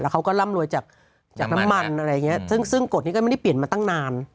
เขาก็ร่ำรวยจากน้ำมันอะไรอย่างนี้ซึ่งกฎนี้ก็ไม่ได้เปลี่ยนมาตั้งนาน